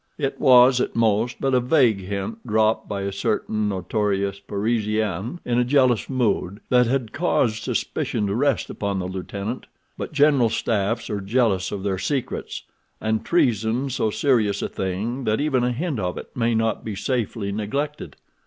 It was at most but a vague hint dropped by a certain notorious Parisienne in a jealous mood that had caused suspicion to rest upon the lieutenant. But general staffs are jealous of their secrets, and treason so serious a thing that even a hint of it may not be safely neglected.